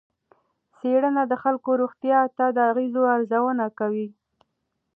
څېړنه د خلکو روغتیا ته د اغېزو ارزونه کوي.